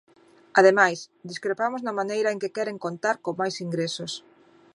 Ademais, discrepamos na maneira en que queren contar con máis ingresos.